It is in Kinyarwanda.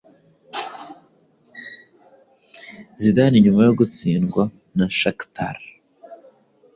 Zidane nyuma yo gutsindwa na Shakhtar